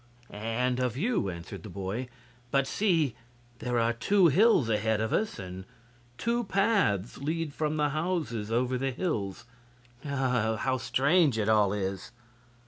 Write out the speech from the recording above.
"And of you," answered the boy. "But see! there are two hills ahead of us, and two paths lead from the houses over the hills! How strange it all is!"